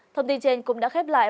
thông tin trên cũng đã khép lại